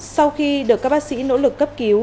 sau khi được các bác sĩ nỗ lực cấp cứu